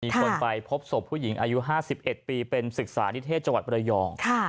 คนไปพบศพผู้หญิงอายุ๕๑ปีเป็นศึกษานิเทศจังหวัดบรยอง